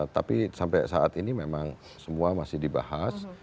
tapi sampai saat ini memang semua masih dibahas